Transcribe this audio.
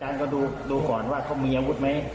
การนี้คือการดูก่อนว่าเค้ามียาวุฒิไหม